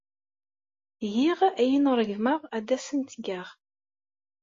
Giɣ ayen ay ṛeggmeɣ ad asen-t-geɣ.